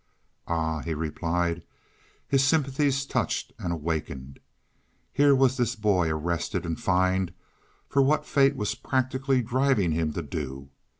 "Ah!" he replied, his sympathies touched and awakened. Here was this boy arrested and fined for what fate was practically driving him to do.